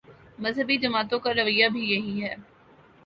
مذہبی جماعتوں کا رویہ بھی یہی ہے۔